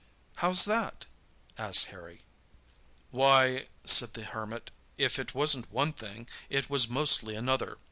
"How's that?" asked Harry. "Why," said the Hermit, "if it wasn't one thing, it was mostly another.